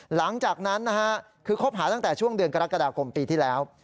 หลังจากนั้นนะฮะคือคบหาตั้งแต่ช่วงเดือนกรกฎาคมปีที่แล้ว